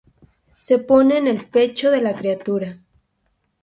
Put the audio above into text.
Se pone en el pecho de la criatura.